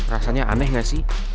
rasanya aneh gak sih